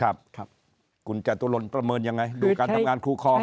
กุญแจตัวลนประเมินยังไงดูการทำงานครูข้อ